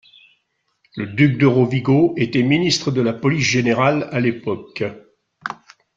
Le duc de Rovigo était ministre de la police générale à l'époque.